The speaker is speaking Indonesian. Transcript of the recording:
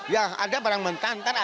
ya ada barang mentah ntar ada